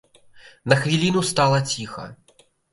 На хвіліну стала ціха.